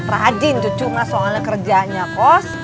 rajin cucu mah soalnya kerjaannya kos